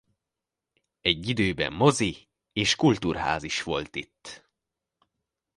Egy időben mozi és kultúrház is volt itt.